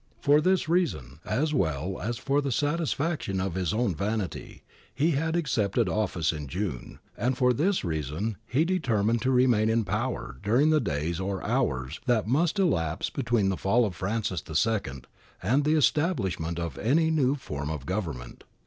For this reason, as well as for the satisfaction of his own vanity, he had accepted office in June, and for this reason he determined to remain in power during the days or hours that must elapse between the fall of Francis II and the establishment of any new form of government.